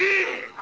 あ